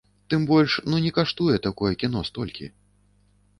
Тым больш, ну не каштуе такое кіно столькі.